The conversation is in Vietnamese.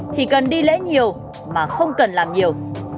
chỉ cần đi lễ nhiều mà không cần làm nhiều